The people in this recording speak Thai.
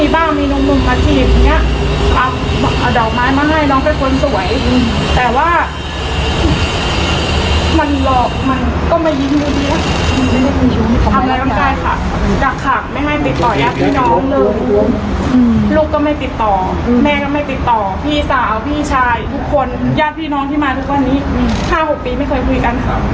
พี่น้องที่มาทุกวันนี้อืมห้าหกปีไม่เคยคุยกันครับ